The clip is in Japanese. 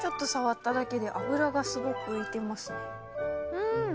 うん！